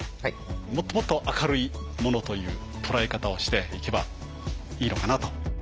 もっともっと明るいものという捉え方をしていけばいいのかなと。